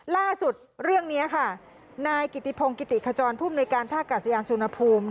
ล่าสุดเรื่องนี้ค่ะนายกิติพงกิติขจรผู้มนุยการท่ากาศยานสุนภูมิ